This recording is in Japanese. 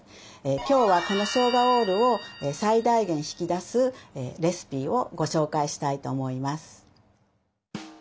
今日はこのショウガオールを最大限引き出すレシピをご紹介したいと思います。